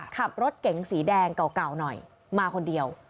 ขับรถเก๋งสีแดงเก่าหน่อยมาคนเดียว